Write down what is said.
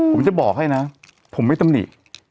ผมจะบอกให้นะผมไม่ตำหนิ